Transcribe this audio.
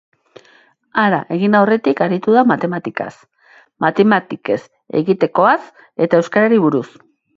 Hara egin aurretik aritu da matematikaz, matematikez egitekoaz eta euskarari buruz.